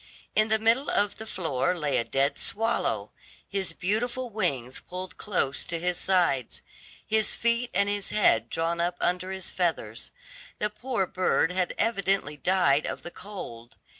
In the middle of the floor lay a dead swallow, his beautiful wings pulled close to his sides, his feet and his head drawn up under his feathers; the poor bird had evidently died of the cold.